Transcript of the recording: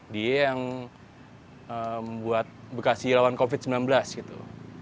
dia yang membuat bekasi lawan covid sembilan belas gitu